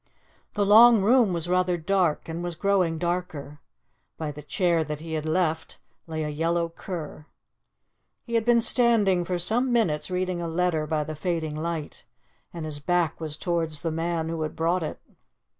The long room was rather dark, and was growing darker. By the chair that he had left lay a yellow cur. He had been standing for some minutes reading a letter by the fading light, and his back was towards the man who had brought it.